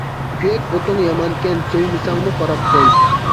كۈيەك ئۇتۇڭ يامانكەن، سۆيمىسەڭمۇ قاراپ قوي.